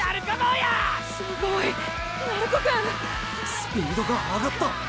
スピードが上がった。